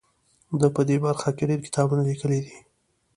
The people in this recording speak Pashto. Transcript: ده په دې برخه کې ډیر کتابونه لیکلي دي.